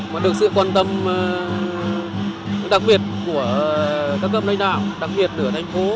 mà được sự quan tâm đặc biệt của các cơm lãnh đạo đặc biệt nửa thành phố